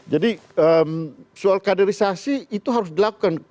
jadi soal kandarisasi itu harus dilakukan